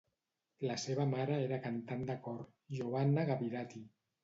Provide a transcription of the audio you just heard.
La seva mare era cantant de cor, Giovanna Gavirati.